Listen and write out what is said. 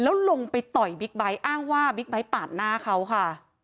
แล้วลงไปต่อยบิ๊กไบท์อ้างว่าบิ๊กไบท์ปาดหน้าเขาค่ะ